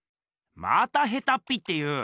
またヘタッピって言う。